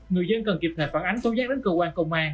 người dân cần kịp thời phản ánh tố giác đến cơ quan công an